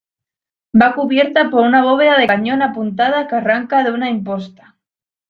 Va cubierta por una bóveda de cañón apuntada que arranca de una imposta.